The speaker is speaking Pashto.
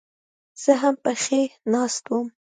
زه هم پکښې ناست وم.